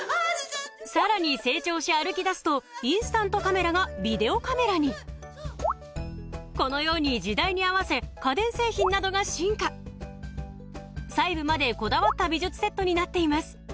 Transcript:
さらに成長し歩きだすとインスタントカメラがビデオカメラにこのように時代に合わせ家電製品などが進化細部までこだわった美術セットになっています